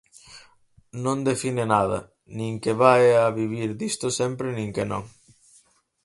Non define nada, nin que vaia vivir disto sempre nin que non.